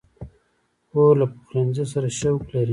خور له پخلنځي سره شوق لري.